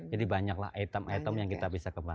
jadi banyak lah item item yang kita bisa kembang